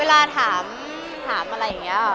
เวลาถามถามอะไรอย่างเงี้ย